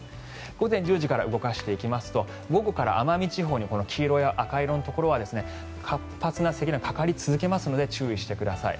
午前１０時から動かしていきますと午後から奄美地方に黄色や赤色のところは活発な積乱雲がかかり続けますので注意してください。